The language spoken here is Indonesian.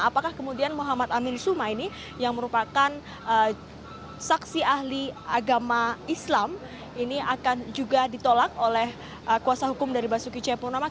apakah kemudian muhammad amin suma ini yang merupakan saksi ahli agama islam ini akan juga ditolak oleh kuasa hukum dari basuki cepurnama